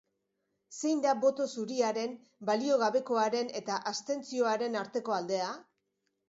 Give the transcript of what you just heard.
Zein da boto zuriaren, balio gabekoaren eta abstentzioaren arteko aldea?